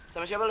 sama siapa lu